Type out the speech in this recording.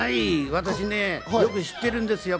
私よくこの人、知ってるんですよ。